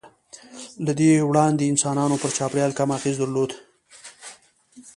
له دې وړاندې انسانانو پر چاپېریال کم اغېز درلود.